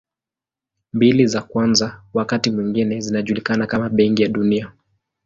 Mbili za kwanza wakati mwingine zinajulikana kama Benki ya Dunia.